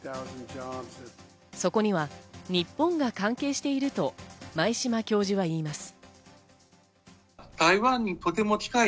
そこには日本が関係していると前嶋教授はいいます。